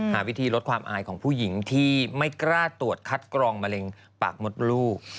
หาวิธีลดความอายของผู้หญิงที่ไม่กล้าตรวจคัดกรองมะเร็งปากมดลูก